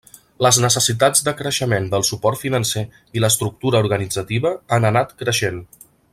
Les necessitats de creixement del suport financer i l'estructura organitzativa han anat creixent.